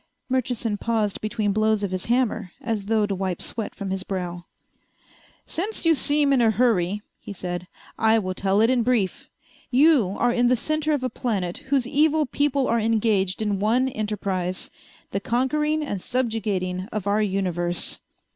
Murchison paused between blows of his hammer, as though to wipe sweat from his brow. "Since you seem in a hurry," he said, "I will tell it in brief. You are in the center of a planet whose evil people are engaged in one enterprise: the conquering and subjugating of our universe."